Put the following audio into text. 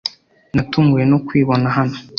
natunguwe no kwibona hano